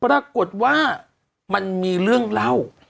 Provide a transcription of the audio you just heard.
ปรากฏว่ามันมีเรื่องเล่า